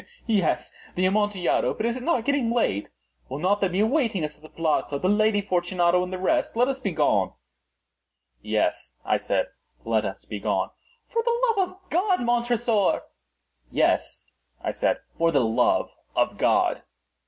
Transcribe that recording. "He! he! he!—he! he! he!—yes, the Amontillado. But is it not getting late? Will not they be awaiting us at the palazzo, the Lady Fortunato and the rest? Let us be gone." "Yes," I said, "let us be gone." "For the love of God, Montressor!" "Yes," I said, "for the love of God!"